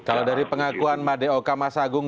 kalau dari pengakuan md okamah sagung